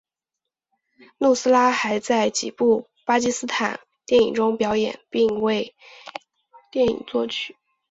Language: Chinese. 努斯拉还在几部巴基斯坦电影中表演并为电影作曲。